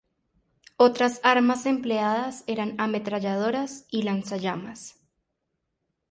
Otras armas empleadas eran ametralladoras y lanzallamas.